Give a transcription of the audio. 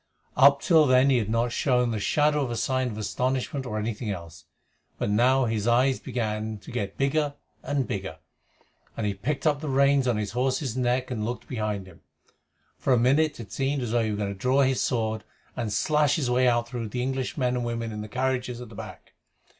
Up till then he had not shown the shadow of a sign of astonishment or anything else. But now his eyes began to get bigger and bigger, and he picked up the reins on his horse's neck and looked behind him. For a minute it seemed as though he were going to draw his sword and slash his way out through the English men and women in the carriages at the back.